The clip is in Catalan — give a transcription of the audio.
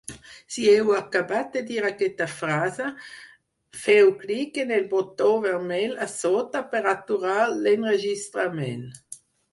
Si heu acabat de dir aquesta frase, feu clic en el botó vermell a sota per aturar l'enregistrament.